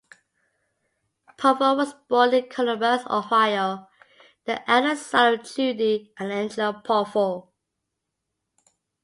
Poffo was born in Columbus, Ohio, the elder son of Judy and Angelo Poffo.